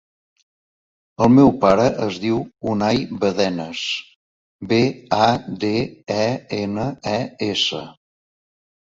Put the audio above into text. El meu pare es diu Unay Badenes: be, a, de, e, ena, e, essa.